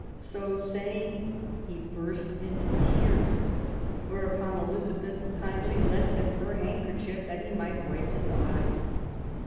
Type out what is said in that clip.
So saying he burst into tears; whereupon Elizabeth kindly lent him her handkerchief that he might wipe his eyes.